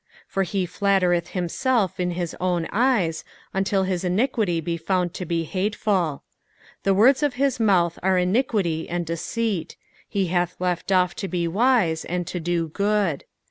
2 For he flattereth himself in his own eyes, until his iniquity be found to be hateful. 3 The words of his mouth are iniquity and deceit : he hath left off to be wise, and to do good.